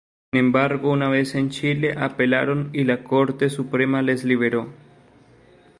Sin embargo, una vez en Chile apelaron y la Corte Suprema les liberó.